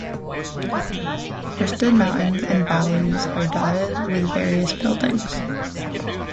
Forested mountains and valleys are dotted with various buildings.